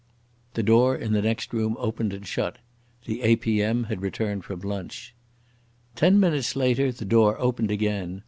The door in the next room opened and shut. The A.P.M. had returned from lunch.... Ten minutes later the door opened again.